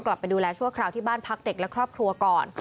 กลับไปดูแลชั่วคราวที่บ้านพักเด็กและครอบครัวก่อน